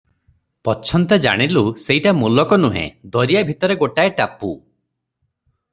ପଛନ୍ତେ ଜାଣିଲୁ, ସେଇଟା ମୁଲକ ନୁହେଁ, ଦରିଆ ଭିତରେ ଗୋଟାଏ ଟାପୁ ।